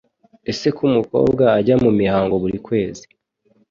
Eseko umukobwa ajyamumihango burikwezi